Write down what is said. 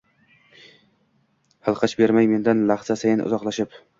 hilqich bermay mendan lahza sayin uzoqlashib